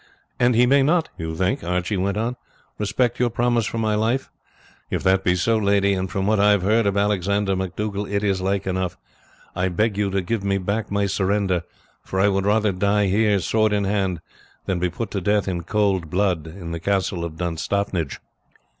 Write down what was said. "And he may not, you think," Archie went on, "respect your promise for my life. If that be so, lady and from what I have heard of Alexander MacDougall it is like enough I beg you to give me back my surrender, for I would rather die here, sword in hand, than be put to death in cold blood in the castle of Dunstaffnage."